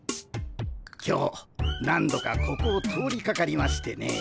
今日何度かここを通りかかりましてね。